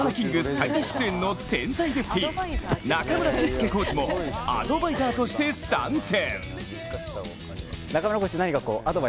最多出演の天才レフティー中村俊輔コーチもアドバイザーとして参戦。